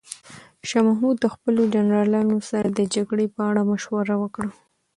شاه محمود د خپلو جنرالانو سره د جګړې په اړه مشوره وکړه.